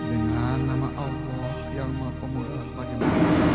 dengan nama allah yang memudah bagi kita